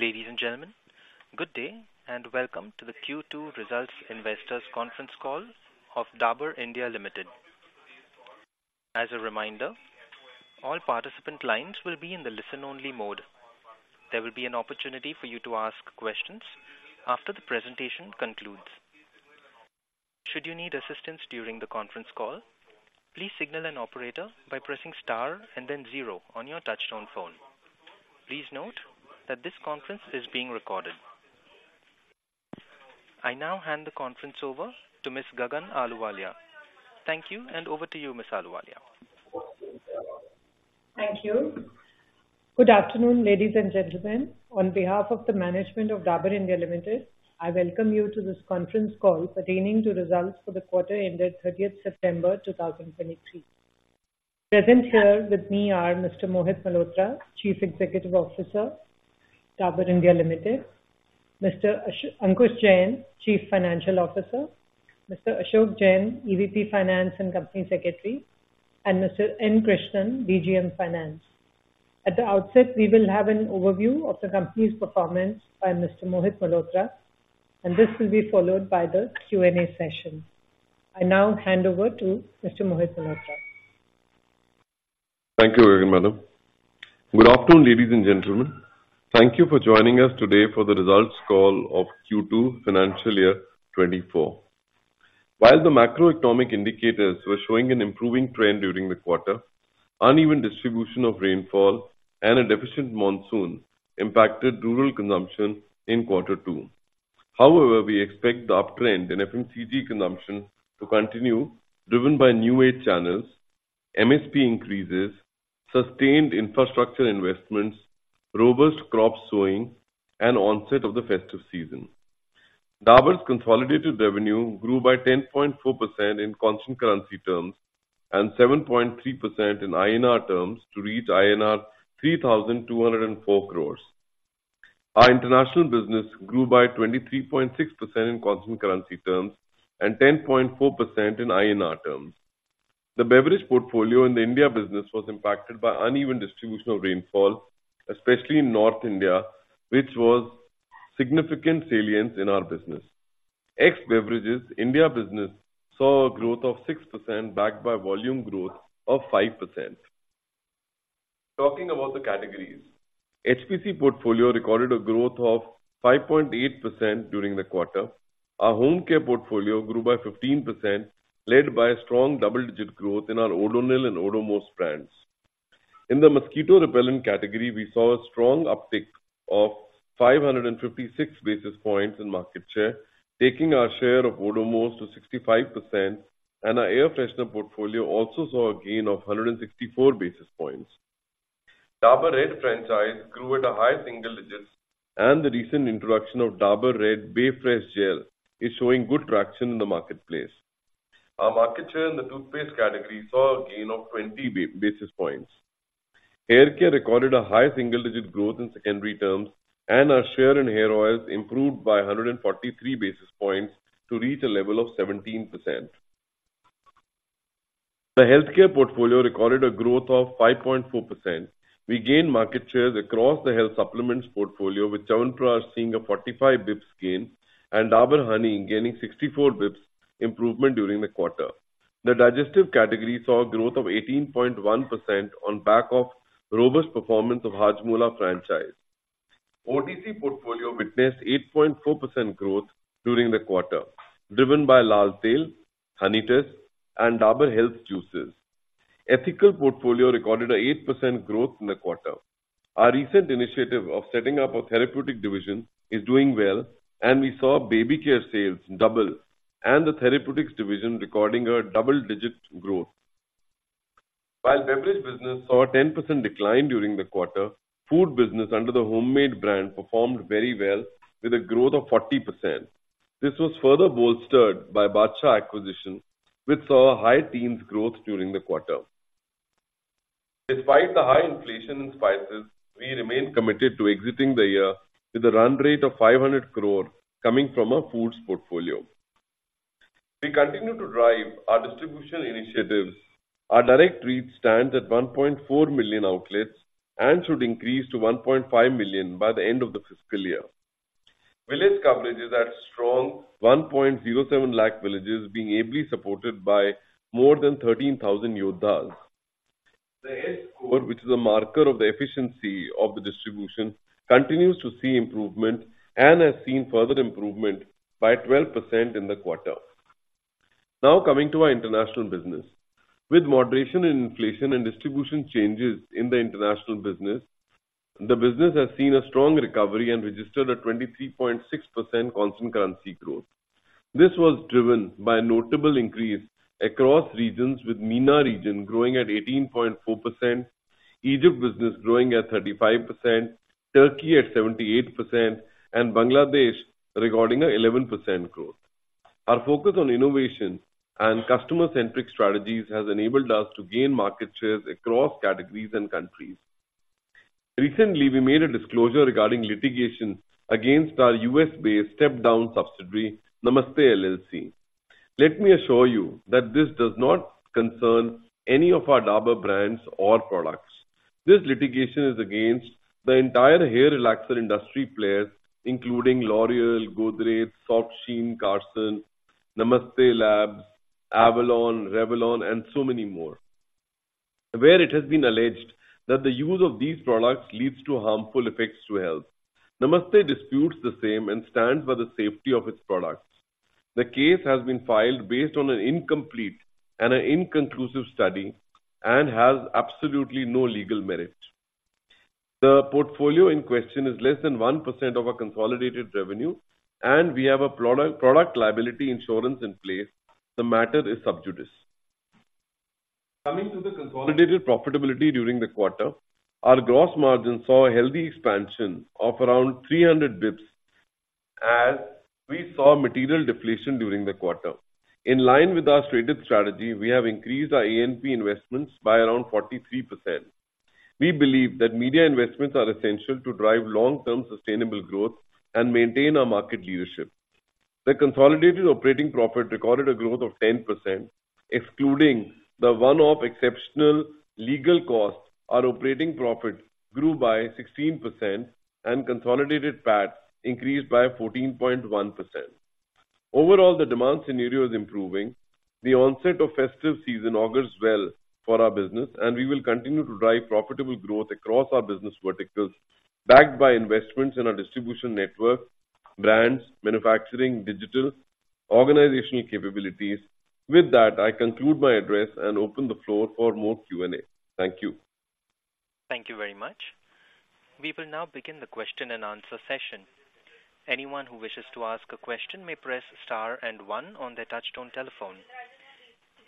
Ladies and gentlemen, good day, and welcome to the Q2 Results Investors Conference Call of Dabur India Limited. As a reminder, all participant lines will be in the listen-only mode. There will be an opportunity for you to ask questions after the presentation concludes. Should you need assistance during the conference call, please signal an operator by pressing star and then zero on your touchtone phone. Please note that this conference is being recorded. I now hand the conference over to Ms. Gagan Ahluwalia. Thank you, and over to you, Ms. Ahluwalia. Thank you. Good afternoon, ladies and gentlemen. On behalf of the management of Dabur India Limited, I welcome you to this conference call pertaining to results for the quarter ended 30 September 2023. Present here with me are Mr. Mohit Malhotra, Chief Executive Officer, Dabur India Limited; Mr. Ankush Jain, Chief Financial Officer; Mr. Ashok Jain, EVP Finance and Company Secretary; and Mr. N. Krishnan, DGM Finance. At the outset, we will have an overview of the company's performance by Mr. Mohit Malhotra, and this will be followed by the Q&A session. I now hand over to Mr. Mohit Malhotra. Thank you very much, madam. Good afternoon, ladies and gentlemen. Thank you for joining us today for the results call of Q2 financial year 2024. While the macroeconomic indicators were showing an improving trend during the quarter, uneven distribution of rainfall and a deficient monsoon impacted rural consumption in quarter two. However, we expect the uptrend in FMCG consumption to continue, driven by new age channels, MSP increases, sustained infrastructure investments, robust crop sowing, and onset of the festive season. Dabur's consolidated revenue grew by 10.4% in constant currency terms and 7.3% in INR terms to reach INR 3,204 crores. Our international business grew by 23.6% in constant currency terms and 10.4% in INR terms. The beverage portfolio in the India business was impacted by uneven distribution of rainfall, especially in North India, which was significant sales in our business. Ex-beverages, India business saw a growth of 6%, backed by volume growth of 5%. Talking about the categories, HPC portfolio recorded a growth of 5.8% during the quarter. Our home care portfolio grew by 15%, led by a strong double-digit growth in our Odonil and Odomos brands. In the mosquito repellent category, we saw a strong uptick of 556 basis points in market share, taking our share of Odomos to 65%, and our air freshener portfolio also saw a gain of 164 basis points. Dabur Red franchise grew at a high single digits, and the recent introduction of Dabur Red Bae Fresh Gel is showing good traction in the marketplace. Our market share in the toothpaste category saw a gain of 20 basis points. Hair care recorded a high single-digit growth in secondary terms, and our share in hair oils improved by 143 basis points to reach a level of 17%. The healthcare portfolio recorded a growth of 5.4%. We gained market shares across the health supplements portfolio, with Chyawanprash seeing a 45 basis points gain and Dabur Honey gaining 64 basis points improvement during the quarter. The digestive category saw a growth of 18.1% on back of robust performance of Hajmola franchise. OTC portfolio witnessed 8.4% growth during the quarter, driven by Lal Tail, Honitus, and Dabur Health Juices. Ethical portfolio recorded an 8% growth in the quarter. Our recent initiative of setting up a therapeutic division is doing well, and we saw baby care sales double, and the therapeutics division recording a double-digit growth. While beverage business saw a 10% decline during the quarter, food business under the Hommade brand performed very well with a growth of 40%. This was further bolstered by Badshah acquisition, which saw a high teens growth during the quarter. Despite the high inflation in spices, we remain committed to exiting the year with a run rate of 500 crore coming from our foods portfolio. We continue to drive our distribution initiatives. Our direct reach stands at 1.4 million outlets and should increase to 1.5 million by the end of the fiscal year. Village coverage is at strong 1.07 lakh villages, being ably supported by more than 13,000 Yodhas. The edge score, which is a marker of the efficiency of the distribution, continues to see improvement and has seen further improvement by 12% in the quarter. Now, coming to our international business. With moderation in inflation and distribution changes in the international business, the business has seen a strong recovery and registered a 23.6% constant currency growth. This was driven by a notable increase across regions, with MENA region growing at 18.4%, Egypt business growing at 35%, Turkey at 78%, and Bangladesh recording an 11% growth. Our focus on innovation and customer-centric strategies has enabled us to gain market shares across categories and countries. Recently, we made a disclosure regarding litigation against our U.S.-based step-down subsidiary, Namaste LLC. Let me assure you that this does not concern any of our Dabur brands or products. This litigation is against the entire hair relaxer industry players, including L'Oréal, Godrej, Softsheen-Carson, Namaste Labs, Avlon, Revlon, and so many more, where it has been alleged that the use of these products leads to harmful effects to health. Namaste disputes the same and stands by the safety of its products. The case has been filed based on an incomplete and an inconclusive study and has absolutely no legal merit. The portfolio in question is less than 1% of our consolidated revenue, and we have a product liability insurance in place. The matter is sub-judis. Coming to the consolidated profitability during the quarter, our gross margin saw a healthy expansion of around 300 basis points, as we saw material deflation during the quarter. In line with our stated strategy, we have increased our A&P investments by around 43%. We believe that media investments are essential to drive long-term sustainable growth and maintain our market leadership. The consolidated operating profit recorded a growth of 10%. Excluding the one-off exceptional legal costs, our operating profit grew by 16% and consolidated PAT increased by 14.1%. Overall, the demand scenario is improving. The onset of festive season augurs well for our business, and we will continue to drive profitable growth across our business verticals, backed by investments in our distribution network, brands, manufacturing, digital, organizational capabilities. With that, I conclude my address and open the floor for more Q&A. Thank you. Thank you very much. We will now begin the question and answer session. Anyone who wishes to ask a question may press star and one on their touch-tone telephone.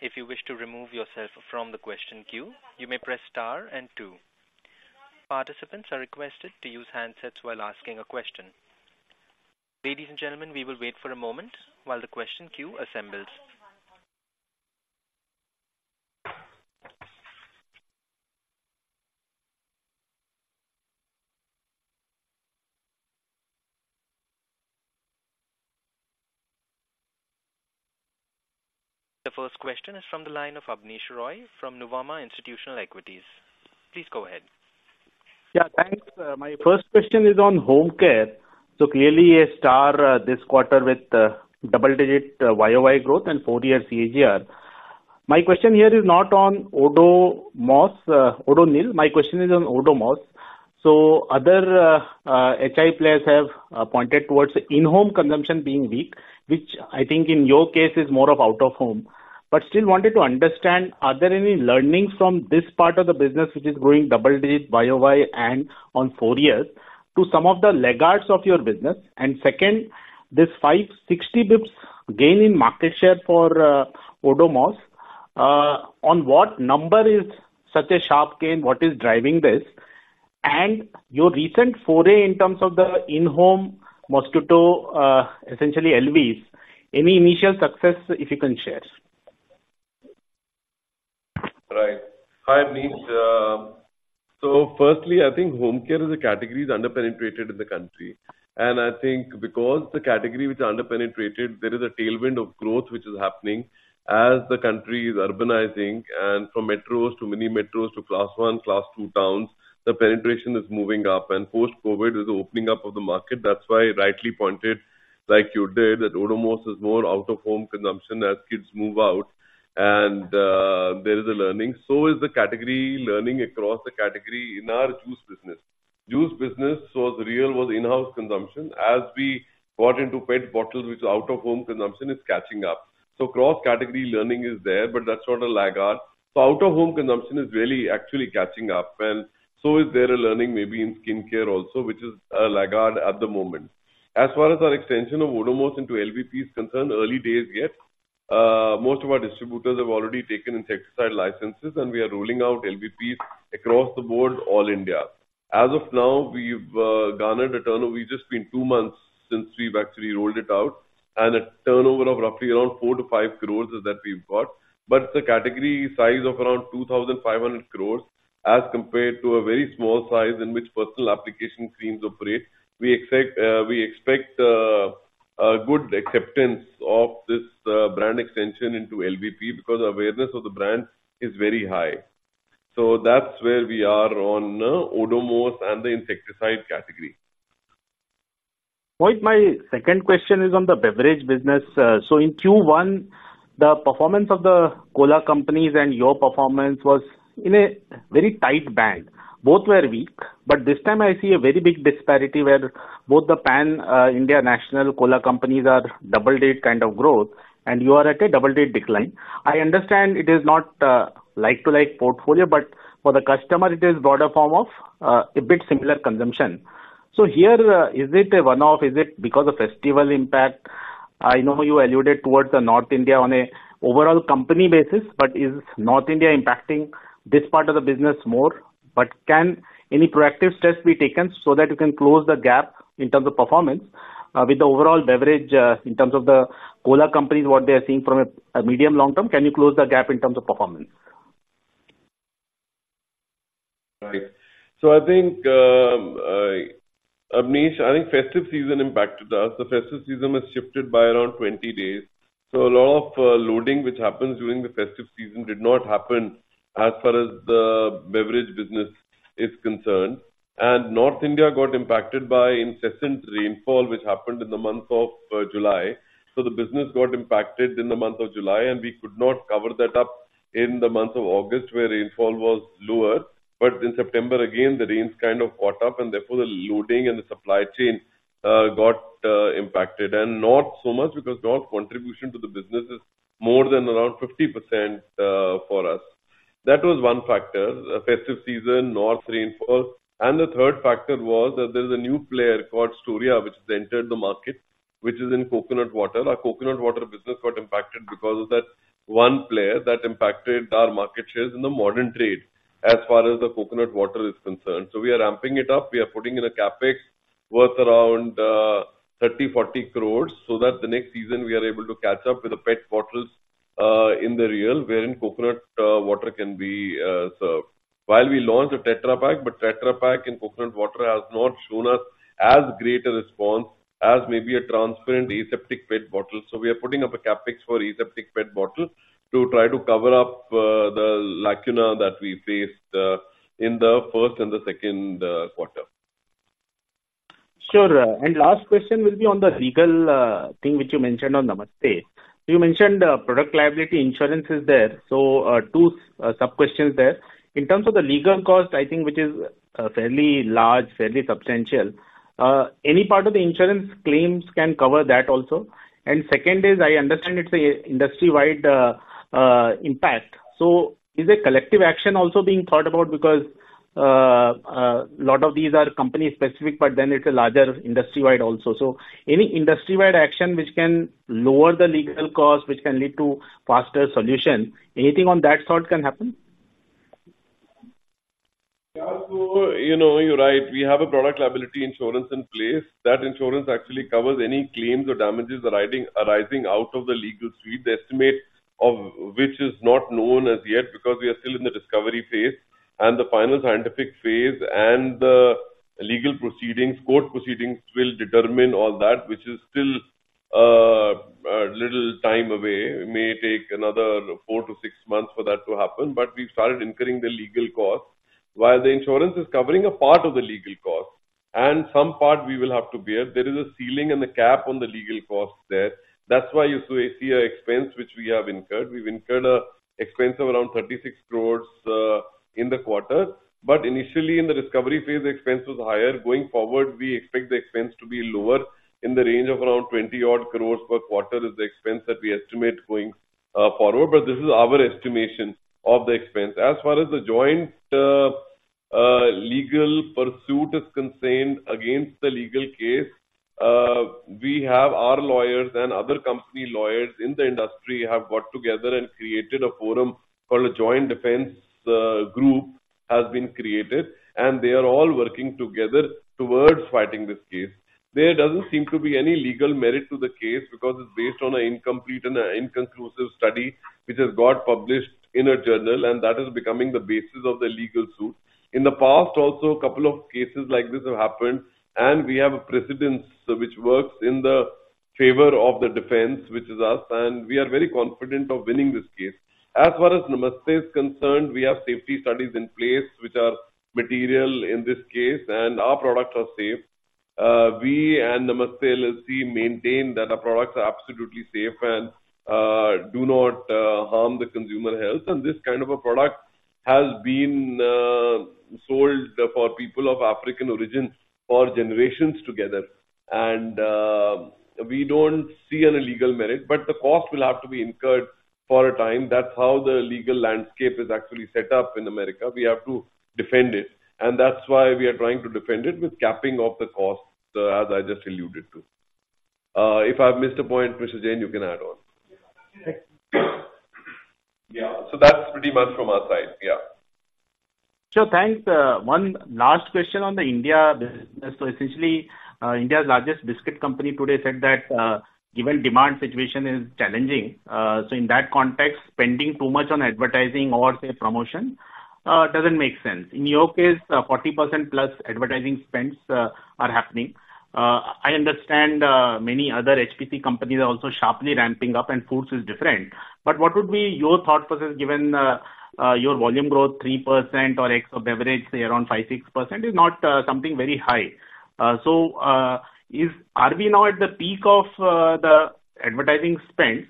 If you wish to remove yourself from the question queue, you may press star and two. Participants are requested to use handsets while asking a question. Ladies and gentlemen, we will wait for a moment while the question queue assembles. The first question is from the line of Abneesh Roy from Nuvama Institutional Equities. Please go ahead. Yeah, thanks. My first question is on home care. So clearly a star, this quarter with double-digit YOY growth and four-year CAGR. My question here is not on Odomos, Odonil, my question is on Odomos. So other HPC players have pointed towards the in-home consumption being weak, which I think in your case is more of out-of-home. But still wanted to understand, are there any learnings from this part of the business, which is growing double digit YOY and on four years, to some of the laggards of your business? And second, this 560 basis points gain in market share for Odomos, on what number is such a sharp gain? What is driving this? And your recent foray in terms of the in-home mosquito, essentially LVs, any initial success, if you can share? Right. Hi, Abneesh. So firstly, I think home care is a category is under-penetrated in the country. And I think because the category which are under-penetrated, there is a tailwind of growth, which is happening as the country is urbanizing and from metros to mini metros to Class One, Class Two towns, the penetration is moving up, and post-COVID is opening up of the market. That's why rightly pointed, like you did, that Odomos is more out-of-home consumption as kids move out and, there is a learning. So is the category learning across the category in our juice business. Juice business, so as Real was in-house consumption, as we got into pet bottles, which is out-of-home consumption, is catching up. So cross-category learning is there, but that's not a laggard. Out-of-home consumption is really actually catching up, and is there a learning maybe in skincare also, which is a laggard at the moment. As far as our extension of Odomos into LVP is concerned, early days yet. Most of our distributors have already taken insecticide licenses, and we are rolling out LVPs across the board, all India. As of now, we've garnered a turnover... It's just been two months since we've actually rolled it out, and a turnover of roughly around 4-5 crore is that we've got. The category size of around 2,500 crore, as compared to a very small size in which personal application creams operate, we expect a good acceptance of this brand extension into LVP because awareness of the brand is very high. So that's where we are on Odomos and the insecticide category. Right. My second question is on the beverage business. So in Q1, the performance of the cola companies and your performance was in a very tight band. Both were weak, but this time I see a very big disparity where both the pan-India national cola companies are double-digit kind of growth, and you are at a double-digit decline. I understand it is not like-for-like portfolio, but for the customer, it is broader form of a bit similar consumption. So here, is it a one-off? Is it because of festival impact? I know you alluded towards the North India on an overall company basis, but is North India impacting this part of the business more? Can any proactive steps be taken so that you can close the gap in terms of performance, with the overall beverage, in terms of the cola companies, what they are seeing from a medium long term, can you close the gap in terms of performance? ...So I think, Abneesh, I think festive season impacted us. The festive season was shifted by around 20 days, so a lot of loading, which happens during the festive season, did not happen as far as the beverage business is concerned. And North India got impacted by incessant rainfall, which happened in the month of July. So the business got impacted in the month of July, and we could not cover that up in the month of August, where rainfall was lower. But in September, again, the rains kind of caught up, and therefore the loading and the supply chain got impacted. And not so much because North contribution to the business is more than around 50%, for us. That was one factor, festive season, north rainfall. The third factor was that there is a new player called Storia, which has entered the market, which is in coconut water. Our coconut water business got impacted because of that one player that impacted our market shares in the modern trade as far as the coconut water is concerned. So we are ramping it up. We are putting in a CapEx worth around 30-40 crores, so that the next season we are able to catch up with the PET bottles in the Real, wherein coconut water can be served. While we launched a Tetra Pak, but Tetra Pak in coconut water has not shown us as great a response as maybe a transparent aseptic PET bottle. We are putting up a CapEx for aseptic PET bottle to try to cover up the lacuna that we faced in the first and the second quarter. Sure. And last question will be on the legal thing, which you mentioned on Namaste. You mentioned product liability insurance is there. So two sub-questions there. In terms of the legal cost, I think, which is fairly large, fairly substantial, any part of the insurance claims can cover that also? And second is, I understand it's a industry-wide impact. So is a collective action also being thought about? Because a lot of these are company specific, but then it's a larger industry-wide also. So any industry-wide action which can lower the legal costs, which can lead to faster solution, anything on that sort can happen? Yeah, so you know, you're right. We have a product liability insurance in place. That insurance actually covers any claims or damages arising out of the legal suit, the estimate of which is not known as yet, because we are still in the discovery phase. And the final scientific phase and the legal proceedings, court proceedings, will determine all that, which is still a little time away. It may take another four-six months for that to happen, but we've started incurring the legal costs, while the insurance is covering a part of the legal cost and some part we will have to bear. There is a ceiling and a cap on the legal costs there. That's why you see an expense which we have incurred. We've incurred an expense of around 36 crores in the quarter, but initially in the discovery phase, the expense was higher. Going forward, we expect the expense to be lower in the range of around 20-odd crores per quarter, is the expense that we estimate going forward. But this is our estimation of the expense. As far as the joint legal pursuit is concerned, against the legal case, we have our lawyers and other company lawyers in the industry have got together and created a forum called a Joint Defense Group has been created, and they are all working together towards fighting this case. There doesn't seem to be any legal merit to the case because it's based on an incomplete and an inconclusive study, which has got published in a journal, and that is becoming the basis of the legal suit. In the past also, a couple of cases like this have happened, and we have a precedent which works in the favor of the defense, which is us, and we are very confident of winning this case. As far as Namaste is concerned, we have safety studies in place which are material in this case, and our products are safe. We and Namaste LLC maintain that our products are absolutely safe and do not harm the consumer health. And this kind of a product has been sold for people of African origin for generations together. And we don't see any legal merit, but the cost will have to be incurred for a time. That's how the legal landscape is actually set up in America. We have to defend it, and that's why we are trying to defend it with capping of the costs, as I just alluded to. If I've missed a point, Mr. Jain, you can add on. Yeah, so that's pretty much from our side. Yeah. Sure, thanks. One last question on the India business. So essentially, India's largest biscuit company today said that, given demand situation is challenging, so in that context, spending too much on advertising or, say, promotion, doesn't make sense. In your case, 40% plus advertising spends are happening. I understand, many other HPC companies are also sharply ramping up, and foods is different. But what would be your thought process, given your volume growth 3% or ex beverage, say, around 5-6%, is not something very high. So, are we now at the peak of the advertising spend?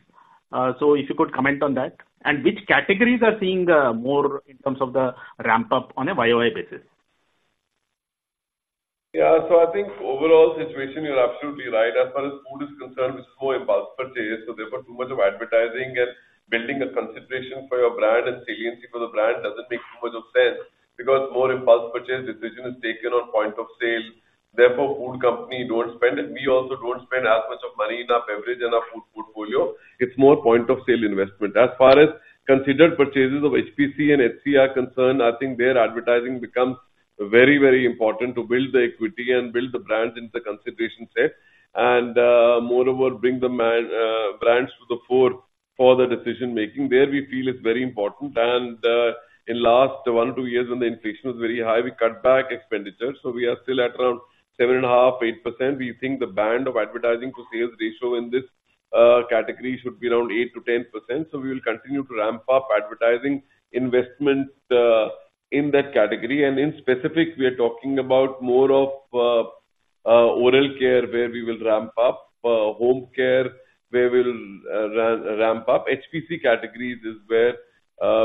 So if you could comment on that. And which categories are seeing more in terms of the ramp-up on a YOY basis? Yeah, so I think overall situation, you're absolutely right. As far as food is concerned, it's more impulse purchase, so therefore, too much of advertising and building a consideration for your brand and saliency for the brand doesn't make much of sense, because more impulse purchase decision is taken on point of sale. Therefore, food company don't spend, and we also don't spend as much of money in our beverage and our food portfolio. It's more point of sale investment. As far as considered purchases of HPC and HC are concerned, I think their advertising becomes very, very important to build the equity and build the brands into the consideration set, and, moreover, bring the main brands to the fore for the decision making, there we feel it's very important. In last one or two years when the inflation was very high, we cut back expenditures, so we are still at around 7.5-8%. We think the band of advertising to sales ratio in this category should be around 8%-10%. We will continue to ramp up advertising investment in that category. In specific, we are talking about more of oral care, where we will ramp up, home care, where we'll ramp up. HPC categories is where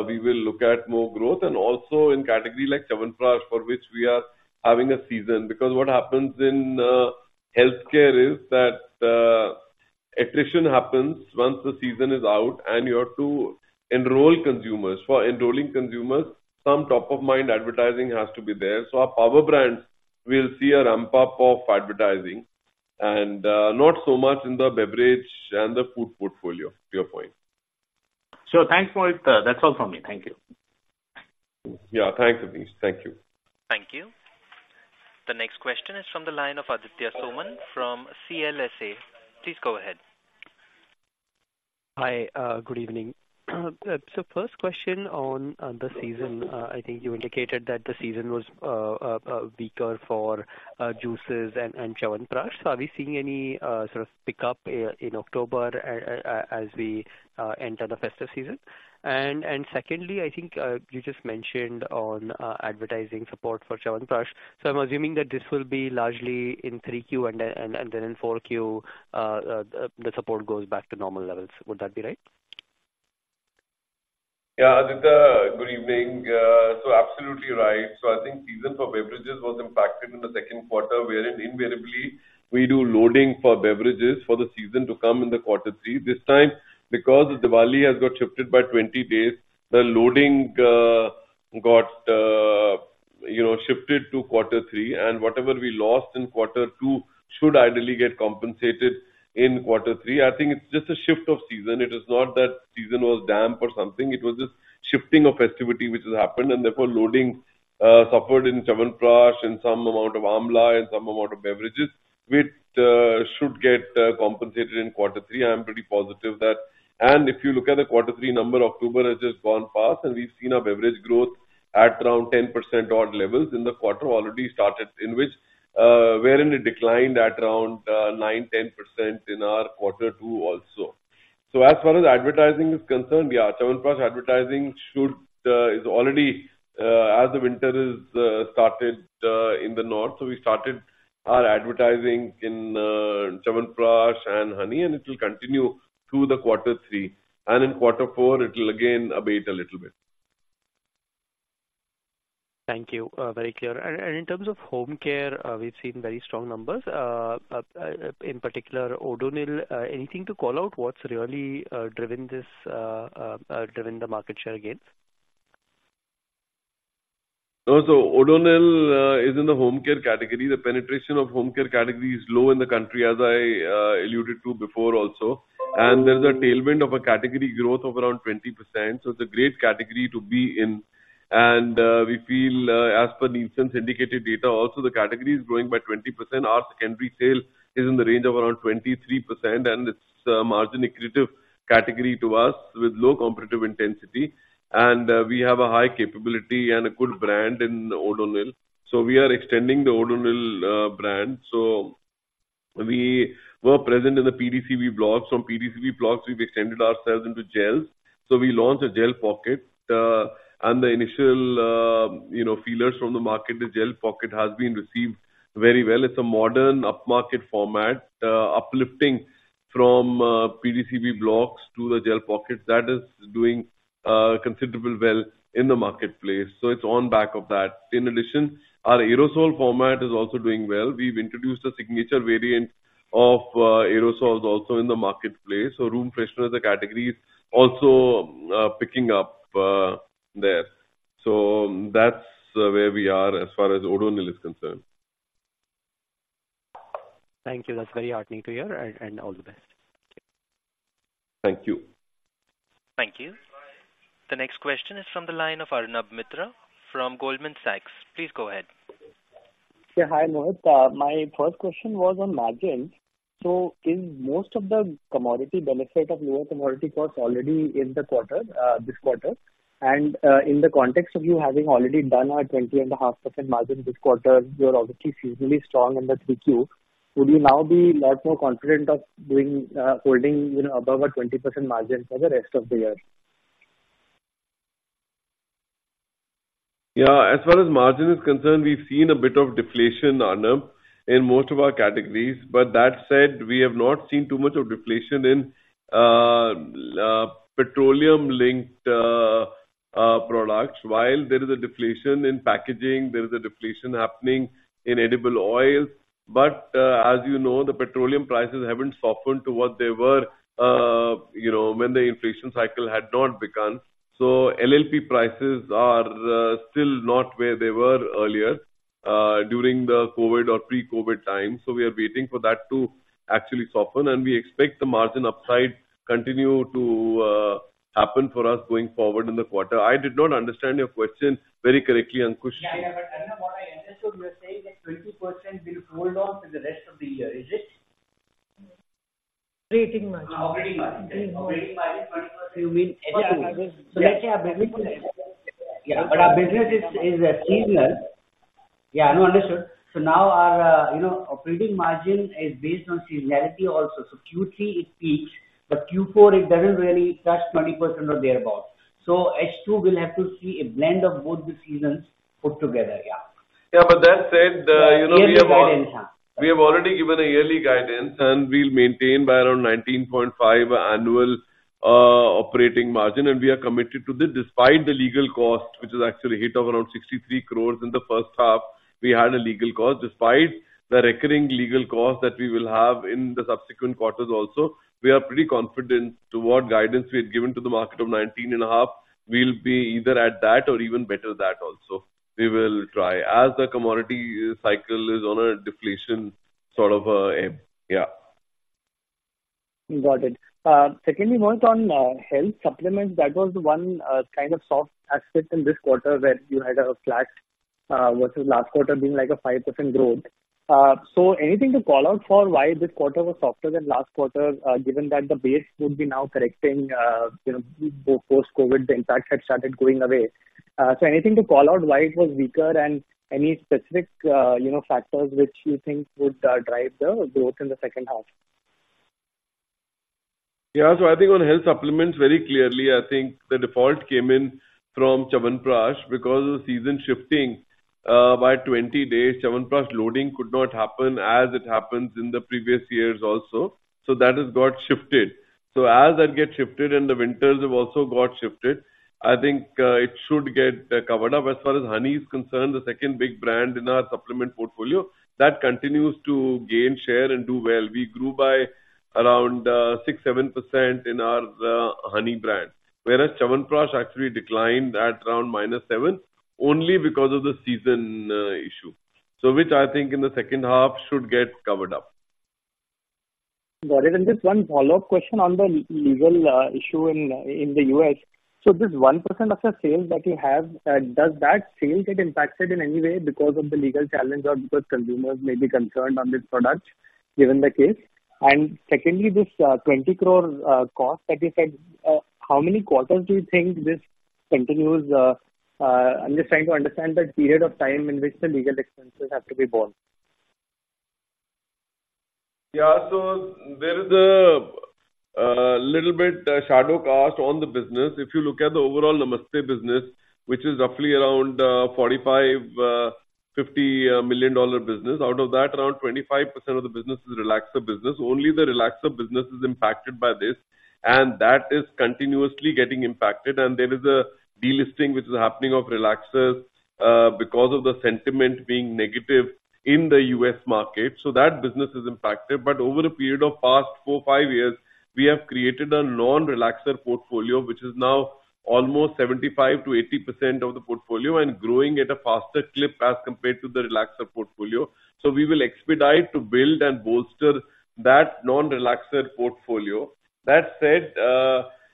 we will look at more growth, and also in category like Chyawanprash, for which we are having a season. Because what happens in healthcare is that attrition happens once the season is out, and you have to enroll consumers. For enrolling consumers, some top of mind advertising has to be there. So our power brands will see a ramp-up of advertising, and not so much in the beverage and the food portfolio. To your point. So thanks, Mohit. That's all from me. Thank you. Yeah. Thanks, Abneesh. Thank you. Thank you. The next question is from the line of Aditya Soman from CLSA. Please go ahead. Hi, good evening. So first question on the season. I think you indicated that the season was weaker for juices and Chyawanprash. Are we seeing any sort of pickup in October as we enter the festive season? And secondly, I think you just mentioned on advertising support for Chyawanprash, so I'm assuming that this will be largely in 3Q, and then in 4Q the support goes back to normal levels. Would that be right? Yeah, Aditya, good evening. So absolutely right. So I think season for beverages was impacted in the second quarter, wherein invariably we do loading for beverages for the season to come in the quarter three. This time, because the Diwali has got shifted by 20 days, the loading, you know, shifted to quarter three, and whatever we lost in quarter two should ideally get compensated in quarter three. I think it's just a shift of season. It is not that season was damp or something. It was just shifting of festivity which has happened, and therefore loading, suffered in Chyawanprash and some amount of Amla and some amount of beverages, which, should get, compensated in quarter three. I am pretty positive that. If you look at the quarter three number, October has just gone past, and we've seen our beverage growth at around 10% odd levels in the quarter already started, in which it declined at around 9%-10% in our quarter two also. As far as advertising is concerned, yeah, Chyawanprash advertising is already, as the winter has started in the north, so we started our advertising in Chyawanprash and honey, and it will continue through the quarter three. In quarter four, it will again abate a little bit. Thank you. Very clear. And, and in terms of home care, we've seen very strong numbers. In particular, Odonil. Anything to call out what's really driven this, driven the market share gains? So Odonil is in the Home Care category. The penetration of home care category is low in the country, as I alluded to before also. There's a tailwind of a category growth of around 20%, so it's a great category to be in. We feel, as per Nielsen's indicated data also, the category is growing by 20%. Our entry sale is in the range of around 23%, and it's a margin accretive category to us, with low competitive intensity. We have a high capability and a good brand in Odonil, so we are extending the Odonil brand. So we were present in the PDCB blocks. From PDCB blocks, we've extended ourselves into gels. So we launched a gel pocket, and the initial, you know, feelers from the market, the gel pocket has been received very well. It's a modern, upmarket format, uplifting from, PDCB blocks to the gel pockets. That is doing considerable well in the marketplace, so it's on back of that. In addition, our aerosol format is also doing well. We've introduced a signature variant of, aerosols also in the marketplace. So room freshener as a category is also, picking up, there. So that's, where we are as far as Odonil is concerned. Thank you. That's very heartening to hear, and, and all the best. Thank you. Thank you. The next question is from the line of Arnab Mitra from Goldman Sachs. Please go ahead. Yeah, hi, Mohit. My first question was on margins. So in most of the commodity, benefit of lower commodity costs already in the quarter, this quarter, and, in the context of you having already done a 20.5% margin this quarter, you are obviously seasonally strong in the 3Q. Would you now be a lot more confident of doing, holding, you know, above a 20% margin for the rest of the year? Yeah, as far as margin is concerned, we've seen a bit of deflation, Arnab, in most of our categories. But that said, we have not seen too much of deflation in petroleum-linked products. While there is a deflation in packaging, there is a deflation happening in edible oil. But, as you know, the petroleum prices haven't softened to what they were, you know, when the inflation cycle had not begun. So LLP prices are still not where they were earlier during the COVID or pre-COVID time. So we are waiting for that to actually soften, and we expect the margin upside continue to happen for us going forward in the quarter. I did not understand your question very correctly, Ankush. Yeah, yeah, but Arnab-... so you are saying that 20% will hold on to the rest of the year, is it? Operating margin. Ah, operating margin. Operating margin, 20%, you mean? But our business is seasonal. Yeah, no, understood. So now our, you know, operating margin is based on seasonality also. So Q3 it peaks, but Q4 it doesn't really touch 20% or thereabout. So H2, we'll have to see a blend of both the seasons put together. Yeah. Yeah, but that said, you know, we have- Yearly guidance, yeah. We have already given a yearly guidance, and we'll maintain by around 19.5% annual operating margin, and we are committed to this. Despite the legal cost, which is actually a hit of around 63 crore in the first half, we had a legal cost. Despite the recurring legal cost that we will have in the subsequent quarters also, we are pretty confident to what guidance we had given to the market of 19.5%. We'll be either at that or even better that also. We will try, as the commodity cycle is on a deflation sort of end. Yeah. Got it. Secondly, one on health supplements. That was the one kind of soft aspect in this quarter, where you had a flat versus last quarter being like a 5% growth. So anything to call out for why this quarter was softer than last quarter, given that the base would be now correcting, you know, post-COVID, the impact had started going away? So anything to call out why it was weaker and any specific, you know, factors which you think would drive the growth in the second half? Yeah. So I think on health supplements, very clearly, I think the default came in from Chyawanprash. Because of the season shifting by 20 days, Chyawanprash loading could not happen as it happens in the previous years also. So that has got shifted. So as that gets shifted and the winters have also got shifted, I think it should get covered up. As far as Honey is concerned, the second big brand in our supplement portfolio, that continues to gain share and do well. We grew by around 6-7% in our honey brand, whereas Chyawanprash actually declined at around -7%, only because of the season issue. So which I think in the second half should get covered up. Got it. And just one follow-up question on the legal issue in the U.S. So this 1% of the sales that you have, does that sale get impacted in any way because of the legal challenge or because consumers may be concerned on this product, given the case? And secondly, this 20 crore cost that you said, how many quarters do you think this continues... I'm just trying to understand the period of time in which the legal expenses have to be borne. Yeah. So there is a little bit shadow cast on the business. If you look at the overall Namaste business, which is roughly around $45-$50 million business, out of that, around 25% of the business is relaxer business. Only the relaxer business is impacted by this, and that is continuously getting impacted. And there is a delisting which is happening of relaxers because of the sentiment being negative in the U.S. market. So that business is impacted. But over a period of past four-five years, we have created a non-relaxer portfolio, which is now almost 75%-80% of the portfolio and growing at a faster clip as compared to the relaxer portfolio. So we will expedite to build and bolster that non-relaxer portfolio. That said,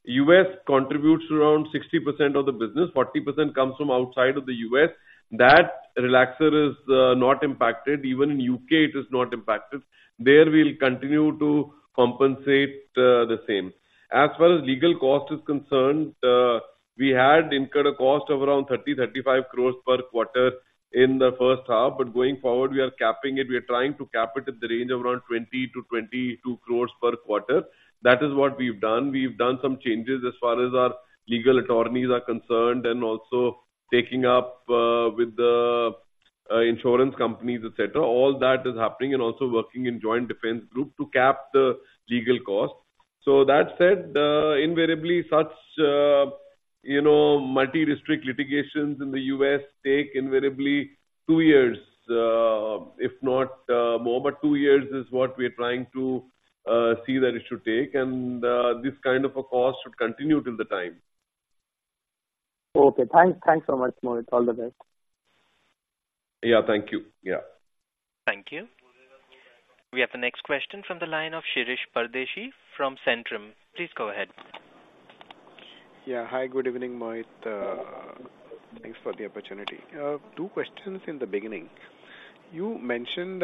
U.S. contributes around 60% of the business. Forty percent comes from outside of the U.S. That relaxer is not impacted. Even in the U.K., it is not impacted. There we'll continue to compensate the same. As far as legal cost is concerned, we had incurred a cost of around 30-35 crore per quarter in the first half, but going forward, we are capping it. We are trying to cap it at the range of around 20-22 crore per quarter. That is what we've done. We've done some changes as far as our legal attorneys are concerned, and also taking up with the insurance companies, et cetera. All that is happening and also working in joint defense group to cap the legal costs. That said, invariably such, you know, multi-district litigations in the U.S. take invariably two years, if not more. Two years is what we are trying to see that it should take, and this kind of a cost should continue till the time. Okay, thanks. Thanks so much, Mohit. All the best. Yeah, thank you. Yeah. Thank you. We have the next question from the line of Shirish Pardeshi from Centrum. Please go ahead. Yeah. Hi, good evening, Mohit. Thanks for the opportunity. Two questions in the beginning. You mentioned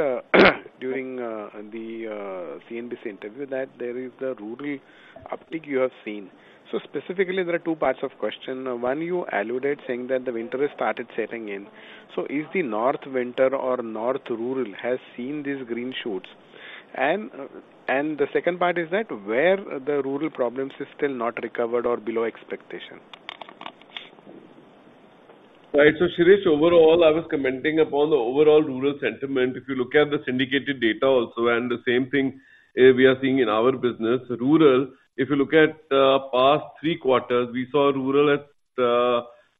during the CNBC interview that there is a rural uptick you have seen. So specifically, there are two parts of question. One, you alluded saying that the winter has started setting in. So is the north winter or north rural has seen these green shoots? And the second part is that where the rural problems is still not recovered or below expectation? Right. So, Shirish, overall, I was commenting upon the overall rural sentiment. If you look at the syndicated data also, and the same thing, we are seeing in our business, rural, if you look at the past three quarters, we saw rural at,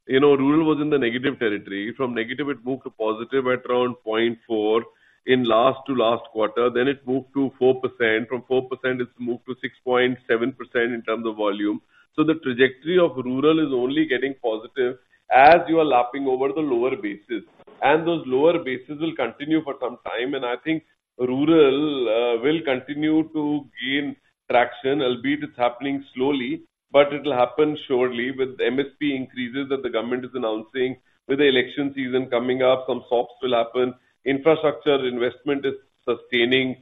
You know, rural was in the negative territory. From negative, it moved to positive at around 0.4 in last to last quarter, then it moved to 4%. From 4%, it's moved to 6.7% in terms of volume. So the trajectory of rural is only getting positive as you are lapping over the lower bases, and those lower bases will continue for some time. And I think rural will continue to gain traction, albeit it's happening slowly, but it will happen surely. With the MSP increases that the government is announcing, with the election season coming up, some swaps will happen, infrastructure investment is sustaining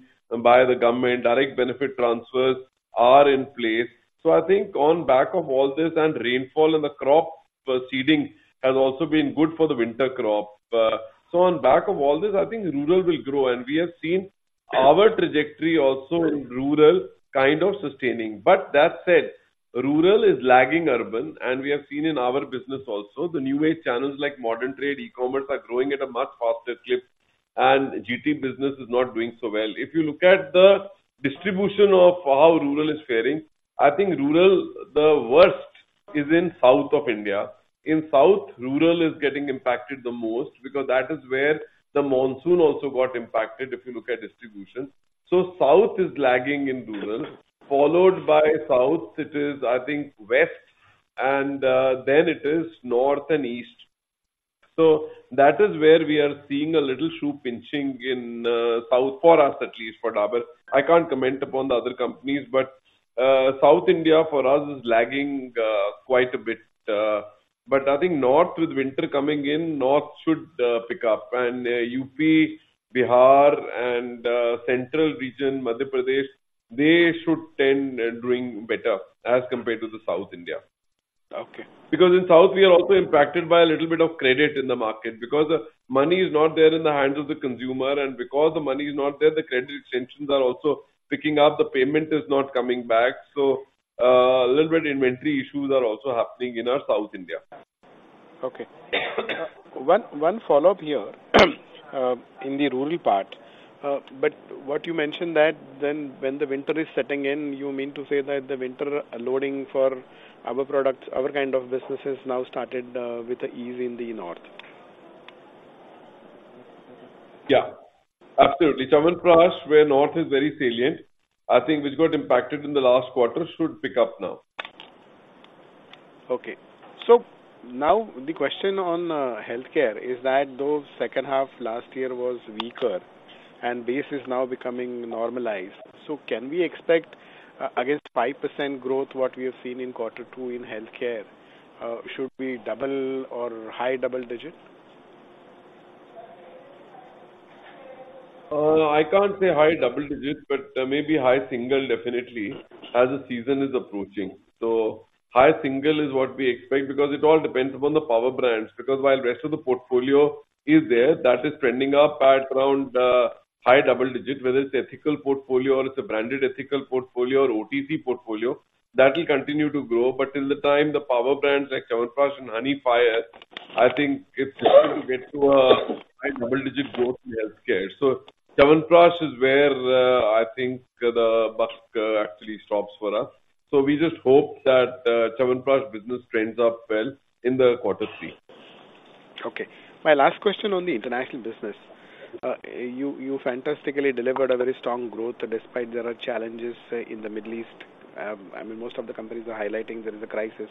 by the government, direct benefit transfers are in place. So I think on back of all this, and rainfall and the crop proceeding has also been good for the winter crop. So on back of all this, I think rural will grow, and we have seen our trajectory also in rural kind of sustaining. But that said, rural is lagging urban, and we have seen in our business also, the new age channels like modern trade, e-commerce, are growing at a much faster clip, and GT business is not doing so well. If you look at the distribution of how rural is faring, I think rural, the worst is in South India. In South, rural is getting impacted the most because that is where the monsoon also got impacted, if you look at distribution. So South is lagging in rural, followed by south, it is, I think, West, and, then it is North and East. So that is where we are seeing a little shoe pinching in, south for us, at least for Dabur. I can't comment upon the other companies, but, South India for us is lagging, quite a bit. But I think North, with winter coming in, North should, pick up, and, UP, Bihar and, central region, Madhya Pradesh, they should tend doing better as compared to the South India. Okay. Because in South India, we are also impacted by a little bit of credit in the market, because the money is not there in the hands of the consumer. And because the money is not there, the credit extensions are also picking up, the payment is not coming back. So, a little bit inventory issues are also happening in our South India. Okay. One, one follow-up here, in the rural part. But what you mentioned that then when the winter is setting in, you mean to say that the winter loading for our products, our kind of businesses now started, with the ease in the north? Yeah, absolutely. Chyawanprash, where North is very salient, I think which got impacted in the last quarter, should pick up now. Okay. So now the question on healthcare is that, though second half last year was weaker and base is now becoming normalized, so can we expect against 5% growth, what we have seen in quarter two in healthcare? Should we double or high double digit? I can't say high double digits, but maybe high single definitely, as the season is approaching. So high single is what we expect, because it all depends upon the power brands. Because while rest of the portfolio is there, that is trending up at around, high double digit, whether it's Ethical Portfolio or it's a branded Ethical Portfolio or OTC portfolio, that will continue to grow. But till the time the power brands like Chyawanprash and Honey, I think it's hard to get to a high double-digit growth in healthcare. So Chyawanprash is where, I think the bus, actually stops for us. So we just hope that, Chyawanprash business trends up well in the quarter three. Okay. My last question on the international business. You fantastically delivered a very strong growth, despite there are challenges in the Middle East. I mean, most of the companies are highlighting there is a crisis.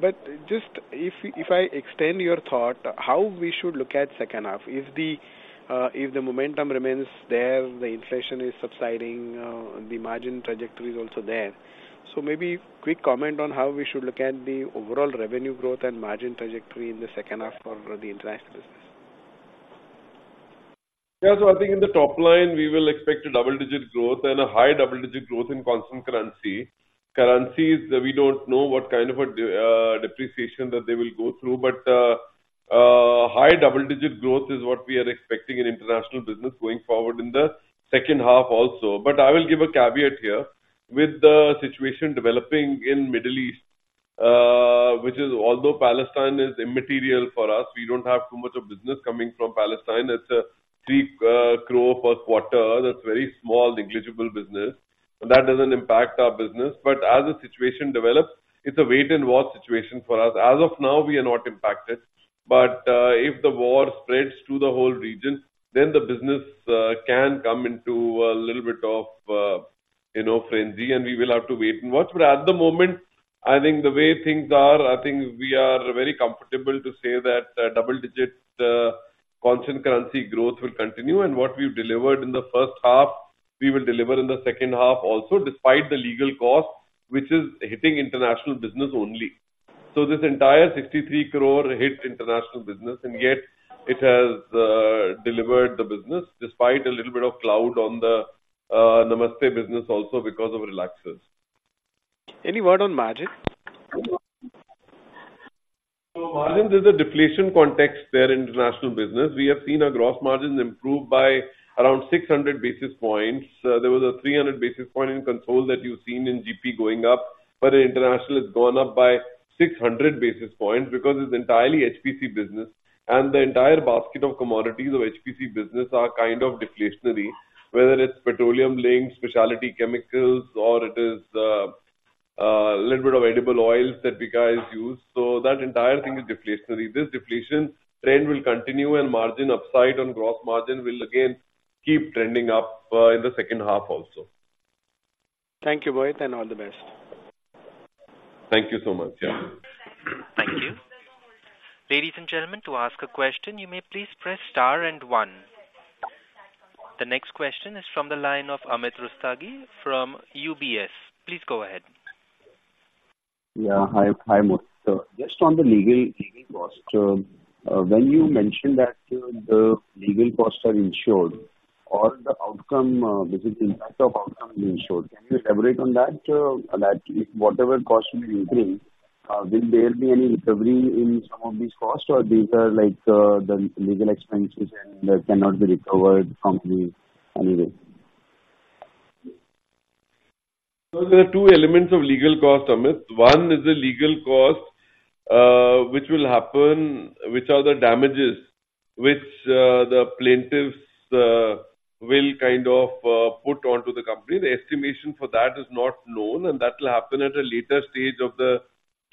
But just if I extend your thought, how we should look at second half, if the momentum remains there, the inflation is subsiding, the margin trajectory is also there. So maybe quick comment on how we should look at the overall revenue growth and margin trajectory in the second half for the international business. Yeah, so I think in the top line, we will expect a double-digit growth and a high double-digit growth in constant currency. Currencies, we don't know what kind of a depreciation that they will go through, but high double-digit growth is what we are expecting in international business going forward in the second half also. But I will give a caveat here. With the situation developing in Middle East, which is although Palestine is immaterial for us, we don't have too much of business coming from Palestine. It's a 3 crore per quarter. That's very small, negligible business. That doesn't impact our business. But as the situation develops, it's a wait-and-watch situation for us. As of now, we are not impacted. But if the war spreads to the whole region, then the business can come into a little bit of, you know, frenzy, and we will have to wait and watch. But at the moment, I think the way things are, I think we are very comfortable to say that double-digit constant currency growth will continue, and what we've delivered in the first half, we will deliver in the second half also, despite the legal cost, which is hitting international business only. So this entire 63 crore hit international business, and yet it has delivered the business despite a little bit of cloud on the Namaste business also because of relaxers. Any word on margin? So margins, there's a deflation context there in international business. We have seen our gross margins improve by around 600 basis points. There was a 300 basis point in control that you've seen in GP going up. But in international, it's gone up by 600 basis points because it's entirely HPC business, and the entire basket of commodities of HPC business are kind of deflationary, whether it's petroleum links, specialty chemicals, or it is a little bit of edible oils that Vatika is used, so that entire thing is deflationary. This deflation trend will continue, and margin upside on gross margin will again keep trending up in the second half also. Thank you, Mohit, and all the best. Thank you so much. Yeah. Thank you. Ladies and gentlemen, to ask a question, you may please press star and one. The next question is from the line of Amit Rustagi from UBS. Please go ahead. Yeah. Hi, hi, Mohit. Just on the legal, legal cost, when you mentioned that the legal costs are insured or the outcome, which is impact of outcome is insured, can you elaborate on that? That if whatever cost you increase, will there be any recovery in some of these costs, or these are like, the legal expenses and that cannot be recovered from the anyway? So there are two elements of legal cost, Amit. One is the legal cost which will happen, which are the damages, which the plaintiffs will kind of put onto the company. The estimation for that is not known, and that will happen at a later stage of the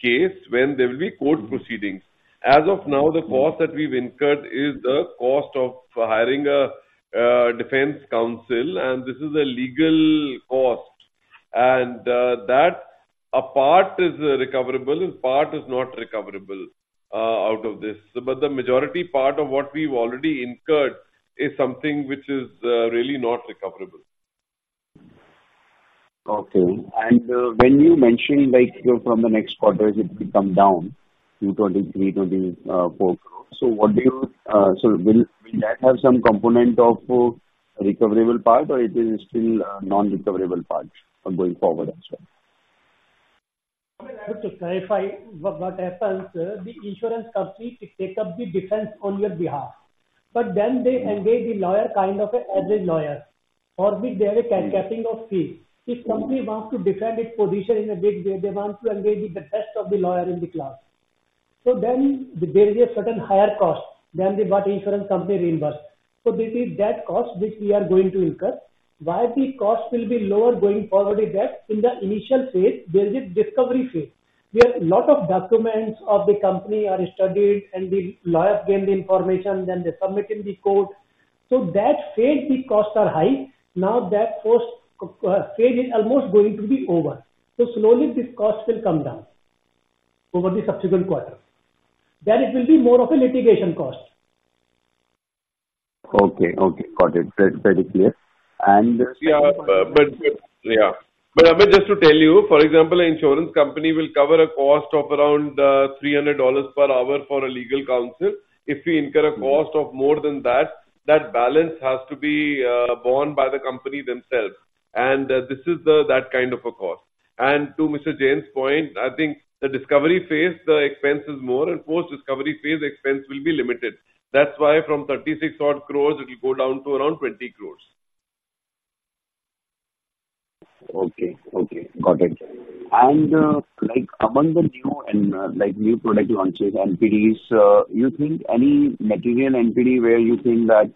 case when there will be court proceedings. As of now, the cost that we've incurred is the cost of hiring a defense counsel, and this is a legal cost, and that a part is recoverable and part is not recoverable out of this. But the majority part of what we've already incurred is something which is really not recoverable. Okay. And when you mentioned, like, from the next quarters, it will come down in 2023, 2024. So will that have some component of recoverable part, or it is still non-recoverable part going forward as well? Just to clarify what happens, the insurance company, it takes up the defense on your behalf, but then they engage the lawyer, kind of, as a lawyer, or they have a capping of fee. If company wants to defend its position in a big way, they want to engage the best of the lawyer in the class. So then there is a certain higher cost than what insurance company reimburses. So this is that cost which we are going to incur. Why the cost will be lower going forward is that in the initial phase, there's a discovery phase, where a lot of documents of the company are studied and the lawyers gain the information, then they submit in the court. So that phase, the costs are high. Now, that first phase is almost going to be over. Slowly, this cost will come down over the subsequent quarter. It will be more of a litigation cost. Okay, okay. Got it. Very, very clear. And- Yeah, but, but yeah. Amit, just to tell you, for example, an insurance company will cover a cost of around $300 per hour for a legal counsel. If we incur a cost of more than that, that balance has to be borne by the company themselves, and this is that kind of a cost. To Mr. Jain's point, I think the discovery phase, the expense is more, and post-discovery phase expense will be limited. That's why from 36-odd crores, it will go down to around 20 crores. Okay. Okay, got it. And, like, among the new and, like, new product launches, NPDs, you think any material NPD where you think that,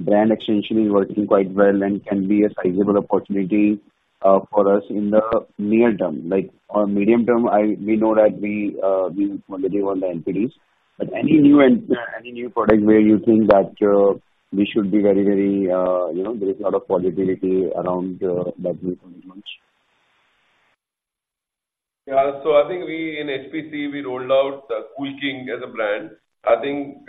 brand extension is working quite well and can be a sizable opportunity, for us in the near term? Like on medium term, I, we know that we, we want to give all the NPDs, but any new, any new product where you think that, we should be very, very, you know, there is a lot of possibility around, that new launch. Yeah. So I think, in HPC, we rolled out Cool King as a brand. I think,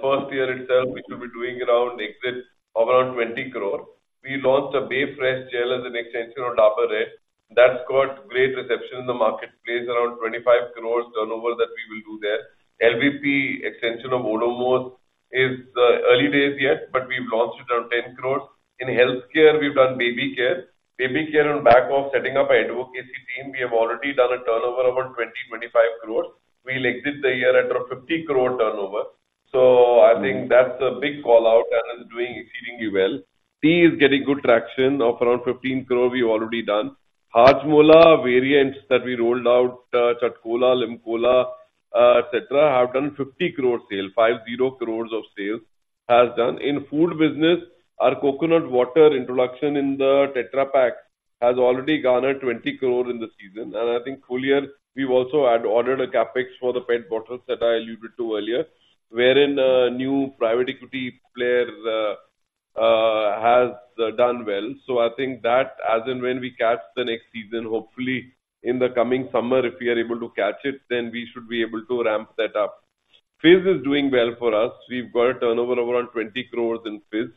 first year itself, we should be doing around exits of around 20 crore. We launched a Bae Fresh gel as an extension of Dabur Red. That's got great reception in the marketplace, around 25 crore turnover that we will do there. LVP extension of Odomos is the early days yet, but we've launched it around 10 crore. In healthcare, we've done Baby Care. Baby Care on back of setting up an advocacy team, we have already done a turnover of about 20-25 crore. We'll exit the year at around 50 crore turnover. So I think that's a big call-out and is doing exceedingly well. Tea is getting good traction. Of around 15 crore, we've already done. Hajmola variants that we rolled out, Chatcola, LimCola, et cetera, have done 50 crore sale. 50 crores of sales has done. In food business, our coconut water introduction in the Tetra Pak has already garnered 20 crore in the season. I think full year, we've also had ordered a CapEx for the pet bottles that I alluded to earlier, wherein a new private equity player has done well. So I think that as and when we catch the next season, hopefully in the coming summer, if we are able to catch it, then we should be able to ramp that up. Fizz is doing well for us. We've got a turnover of around 20 crore in Fizz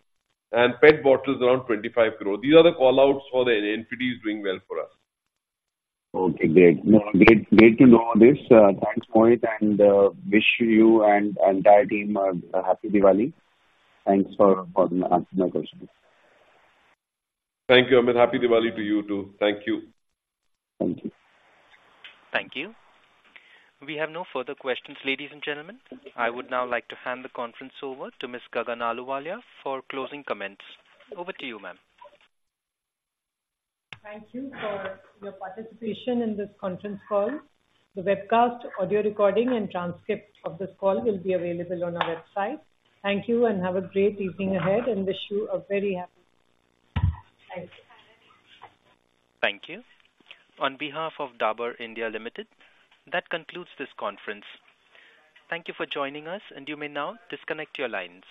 and pet bottles around 25 crore. These are the call-outs for the NPDs doing well for us. Okay, great. Great to know this. Thanks, Mohit, and wish you and entire team a Happy Diwali. Thanks for answering my questions. Thank you, Amit. Happy Diwali to you, too. Thank you. Thank you. Thank you. We have no further questions, ladies and gentlemen. I would now like to hand the conference over to Ms. Gagan Ahluwalia for closing comments. Over to you, ma'am. Thank you for your participation in this conference call. The webcast, audio recording and transcript of this call will be available on our website. Thank you and have a great evening ahead, and wish you a very happy... Thank you. Thank you. On behalf of Dabur India Limited, that concludes this conference. Thank you for joining us, and you may now disconnect your lines.